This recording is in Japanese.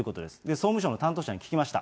総務省の担当者に聞きました。